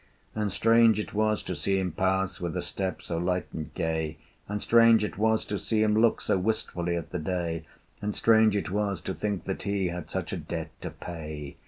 And strange it was to see him pass With a step so light and gay, And strange it was to see him look So wistfully at the day, And strange it was to think that he Had such a debt to pay.